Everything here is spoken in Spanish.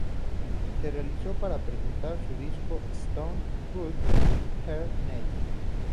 Se realizó para presentar su disco Stones Grow Her Name.